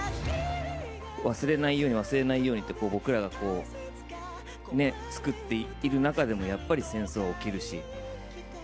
忘れないように、忘れないようにって、僕らがこうね、作っている中でも、やっぱり戦争は起きるし。